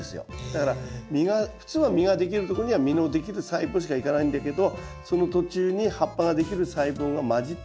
だから普通は実ができるとこには実のできる細胞しか行かないんだけどその途中に葉っぱができる細胞が混じってこういう状態になると。